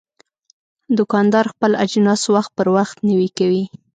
دوکاندار خپل اجناس وخت پر وخت نوی کوي.